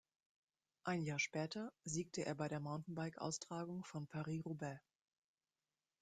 Ein Jahr später siegte er bei der Mountainbike-Austragung von Paris–Roubaix.